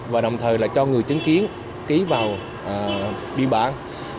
và đồng thời là cho người chứng kiến ký vào biên bản